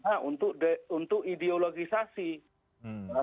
nah untuk ideologisasi